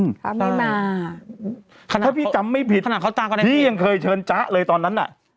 ถ้าไม่มาขนาดถ้าพี่จำไม่ผิดขนาดเขาตามพี่ยังเคยเชิญจ๊ะเลยตอนนั้นน่ะ